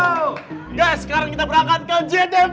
guys sekarang kita berangkat ke gtv